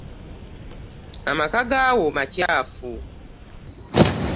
Amaka gaawo makyaafu.